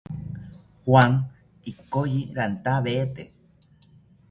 Juan ikoyi rantawete